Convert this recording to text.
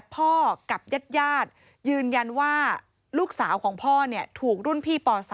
พ่อกลับใหญ่ยืนยันว่าลูกสาวของพ่อเนี่ยถูกรุ่นพี่ป๐๓